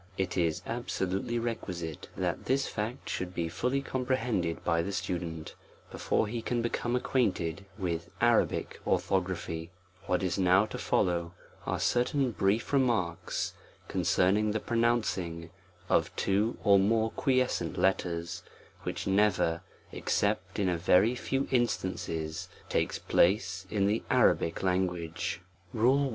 IT is absolutely requisite that this fact should be fully comprehended by the student, before he can become acquainted with Arabic orthography, WHAT is now to follow, are certain brief re marks concerning the pronouncing of two or more quiescent letters, which never, except in a very few instances, takes place in the ^Arabic language, RULE I.